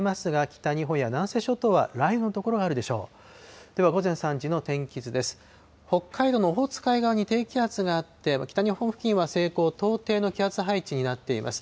北海道のオホーツク海側に低気圧があって、北日本付近は西高東低の気圧配置になっています。